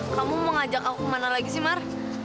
kamu mau ngajak aku kemana lagi sih mar